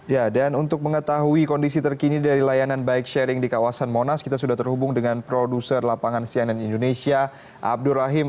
ya dan untuk mengetahui kondisi terkini dari layanan bike sharing di kawasan monas kita sudah terhubung dengan produser lapangan cnn indonesia abdur rahim